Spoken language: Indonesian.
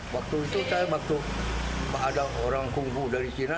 waktu itu saya waktu ada orang kungfu dari cina